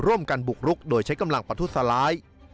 ร่วมกันบุกรุกโดยใช้กำลังประทุษร้าย